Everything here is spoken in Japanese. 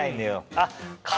あっ。